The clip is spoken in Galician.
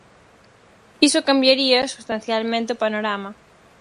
Iso cambiaría substancialmente o panorama.